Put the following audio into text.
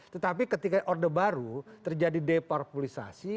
tetapi ketika orde baru terjadi deparpolisasi